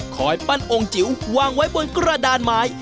ปั้นองค์จิ๋ววางไว้บนกระดานไม้